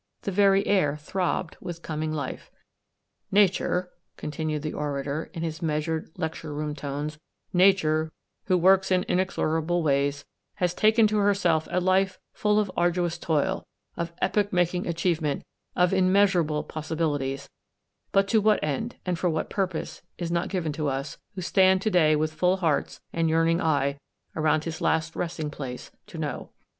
The very air throbbed with coming life. "Nature," continued the orator, in his measured, lecture room tones, " Nature, who works in inexorable ways, has taken to herself a life full of arduous toil, of epoch making achievement, of immeasurable possibilities, but to what end, and for what purpose, it is not given to us, who stand to day with full hearts and yearning Qyes around his last rest ing place, to know."